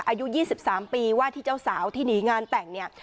อายุ๒๓ปีว่าที่เจ้าสาวที่หนีงานแต่งเนี่ย